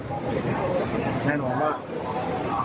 ก้อหมายแน่นอนว่า